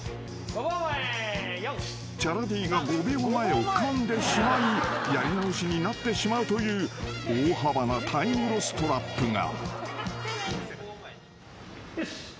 ［チャラＤが５秒前をかんでしまいやり直しになってしまうという大幅なタイムロストラップが］よし。